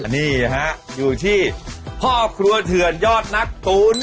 นี่ครับอยู่ที่พ่อครัวเถือนล่ะเยาท์นักตุ๋น